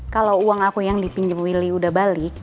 kalau uang aku yang dipinjam willy udah balik